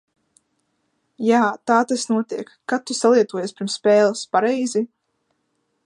Jā, tā tas notiek, kad tu salietojies pirms spēles, pareizi?